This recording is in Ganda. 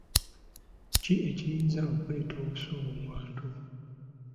Ki ekiyinza okuleeta obusungu mu bantu?